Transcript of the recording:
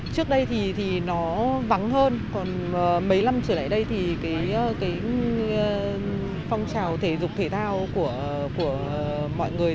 trước đây thì nó vắng hơn còn mấy năm trở lại đây thì cái phong trào thể dục thể thao của mọi người